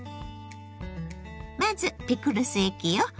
まずピクルス液よ。